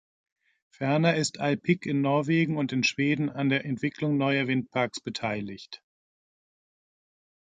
Ferner ist Alpiq in Norwegen und in Schweden an der Entwicklung neuer Windparks beteiligt.